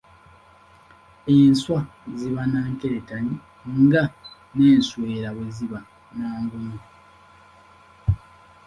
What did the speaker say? Enswa ziba na nkerettanyi nga n’enswera bwe ziba na Nvunyu.